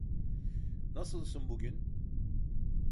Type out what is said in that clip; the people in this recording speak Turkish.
Nasılsın bugün?